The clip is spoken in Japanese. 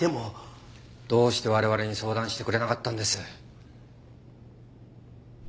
どうして我々に相談してくれなかったんです？